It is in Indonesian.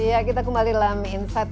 ya kita kembali dalam insight